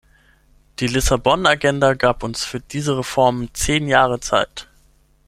Die Lissabon-Agenda gab uns für die Reformen zehn Jahre Zeit.